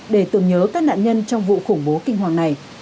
để tưởng nhớ các nạn nhân trong vụ khủng bố kinh hoàng này